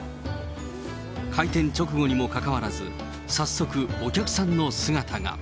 開店直後にもかかわらず、早速、お客さんの姿が。